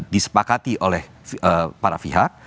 disepakati oleh para pihak